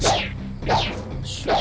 tanda tekanku raden